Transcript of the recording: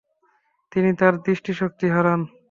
তিনি তার দৃষ্টিশক্তি হারান।